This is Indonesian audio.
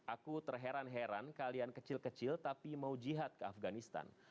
aku terheran heran kalian kecil kecil tapi mau jihad ke afganistan